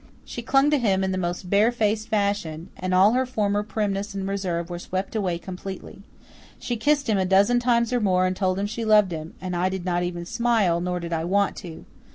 She clung to him in the most barefaced fashion, and all her former primness and reserve were swept away completely. She kissed him a dozen times or more and told him she loved him and I did not even smile, nor did I want to.